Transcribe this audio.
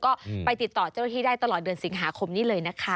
ก็ไปติดต่อเจ้าหน้าที่ได้ตลอดเดือนสิงหาคมนี้เลยนะคะ